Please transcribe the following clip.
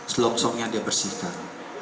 selongsongnya dia bersihkan